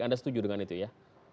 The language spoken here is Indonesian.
anda setuju dengan itu ya